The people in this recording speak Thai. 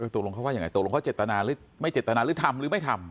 ตกลงเขาว่ายังไงตกลงเขาเจตนาหรือไม่เจตนาหรือทำหรือไม่ทำ